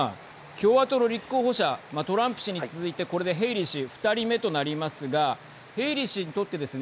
共和党の立候補者トランプ氏に続いてこれでヘイリー氏、２人目となりますがヘイリー氏にとってですね